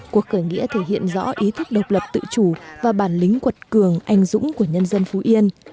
cuộc khởi nghĩa thể hiện rõ ý thức độc lập tự chủ và bản lĩnh quật cường anh dũng của nhân dân phú yên